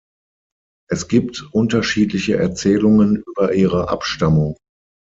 Es gibt unterschiedliche Erzählungen über ihre Abstammung.